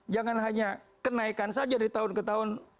jangan hanya kenaikan saja dari tahun ke tahun